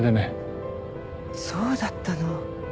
そうだったの。